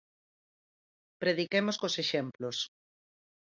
Prediquemos cos exemplos.